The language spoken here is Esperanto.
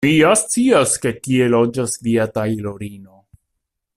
Mi ja scias, ke tie loĝas via tajlorino.